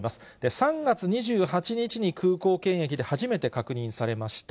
３月２８日に空港検疫で初めて確認されました。